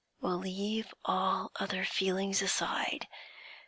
We'll leave all other feelings aside.